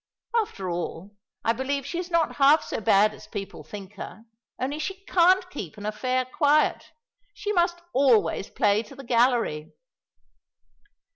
After all, I believe she is not half so bad as people think her; only she can't keep an affair quiet. She must always play to the gallery."